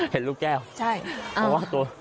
เห็นลูกแก้ว